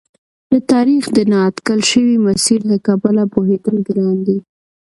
د تاریخ د نا اټکل شوي مسیر له کبله پوهېدل ګران دي.